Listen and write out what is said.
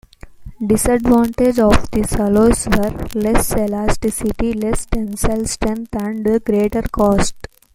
Disadvantages of these alloys were: Less elasticity, less tensile strength and greater cost.